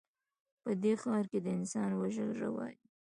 په دې ښـار کښې د انسان وژل روا دي